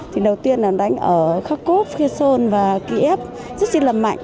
thì đầu tiên là đánh ở kharkov kherson và kiev rất là mạnh